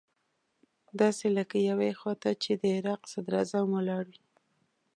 داسې لکه يوې خوا ته چې د عراق صدراعظم ولاړ وي.